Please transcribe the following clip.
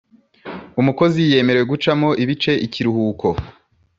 Umukozi yemerewqe gucamo ibice ikiruhukoe